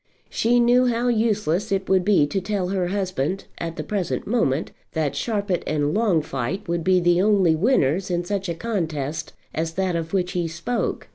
She knew how useless it would be to tell her husband at the present moment that Sharpit and Longfite would be the only winners in such a contest as that of which he spoke.